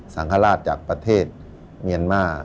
สังฆราชจากประเทศเมียนมา